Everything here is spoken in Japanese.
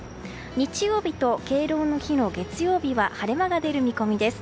日曜日と敬老の日の月曜日は晴れ間が出る見込みです。